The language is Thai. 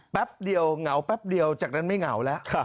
แป๊บเดียวเงาจากนั้นไม่เงาแล้ว